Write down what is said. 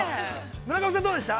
村上さん、どうでした？